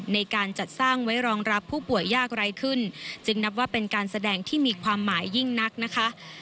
ในการจัดสร้างไว้รองรับผู้ป่วยยากไร้ขึ้นจึงนับว่าเป็นการแสดงที่มีความหมายยิ่งนักนะคะ